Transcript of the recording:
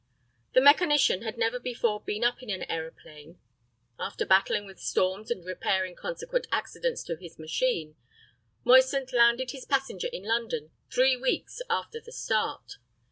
The mechanician had never before been up in an aeroplane. After battling with storms and repairing consequent accidents to his machine, Moisant landed his passenger in London three weeks after the start.